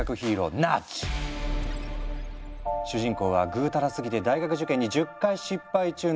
主人公はぐうたらすぎて大学受験に１０回失敗中の受験生。